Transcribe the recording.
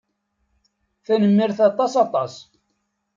Tanemmirt aṭas aṭas.